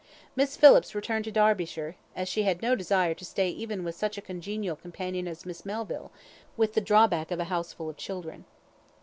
Miss Phillips returned to Derbyshire, as she had no desire to stay even with such a congenial companion as Miss Melville, with the drawback of a houseful of children.